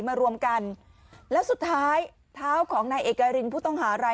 มารวมกันแล้วสุดท้ายเท้าของนายเอกรินผู้ต้องหาราย